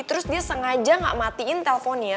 terus dia sengaja gak matiin telponnya ya